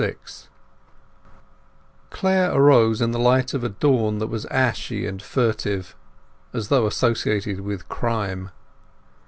XXXVI Clare arose in the light of a dawn that was ashy and furtive, as though associated with crime.